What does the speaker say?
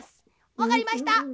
わかりました！